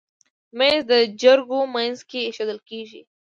مېز د جرګو منځ کې ایښودل کېږي.